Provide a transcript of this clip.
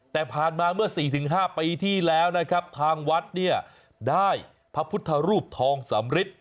ทางวัดได้พระพุทธรูปทองสำริท